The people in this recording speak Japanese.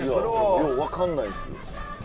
よう分かんないです。